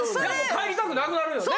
帰りたくなくなるよね。